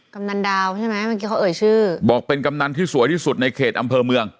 กำนันดาวใช่ไหมเมื่อกี้เขาเอ่ยชื่อบอกเป็นกำนันที่สวยที่สุดในเขตอำเภอเมือง